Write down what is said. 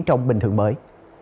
trong bình thường mới